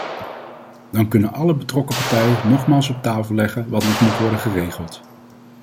Dan kunnen alle betrokken partijen nogmaals op tafel leggen wat nog moet worden geregeld.